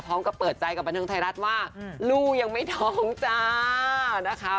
พร้อมกับเปิดใจกับบันเทิงไทยรัฐว่าลูกยังไม่ท้องจ้านะคะ